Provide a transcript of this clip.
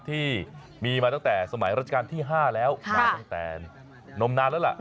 ที่มีมาตั้งแต่สมัยราชการที่๕แล้วมาตั้งแต่นมนานแล้วล่ะ